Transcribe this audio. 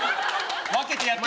分けてやってんだ。